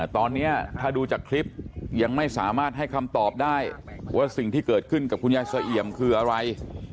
ตอนนี้ถ้าดูจากคลิปยังไม่สามารถให้คำตอบได้ว่าสิ่งที่เกิดขึ้นกับคุณยายเสี่ยมคืออะไร